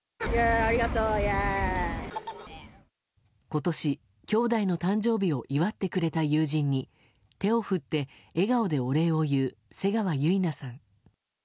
今年、きょうだいの誕生日を祝ってくれた友人に手を振って笑顔でお礼を言う瀬川結菜さん。